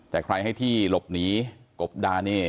แต่ใครให้ที่หลบหนีกบดานี่